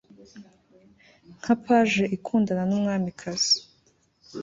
Nka page ikundana numwamikazi